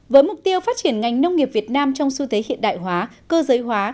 với mục tiêu phát triển ngành nông nghiệp việt nam trong xu thế hiện đại hóa cơ giới hóa